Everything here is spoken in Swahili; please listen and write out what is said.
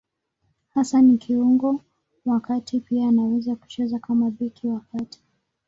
Hasa ni kiungo wa kati; pia anaweza kucheza kama beki wa kati.